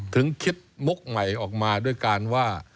คิดมุกใหม่ออกมาด้วยการว่า